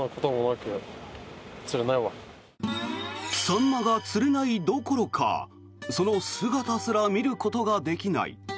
サンマが釣れないどころかその姿すら見ることができない。